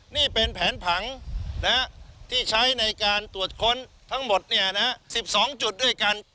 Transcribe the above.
นี่เป็นแผนผังที่ใช้ในการตรวจค้นทั้งหมด๑๒จุดด้วยกัน